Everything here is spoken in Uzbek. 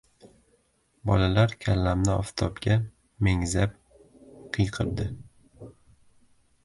Bolalar kallamni oftobga mengzab qiyqirdi: